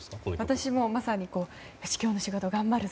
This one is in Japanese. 私もまさに今日の仕事頑張るぞ！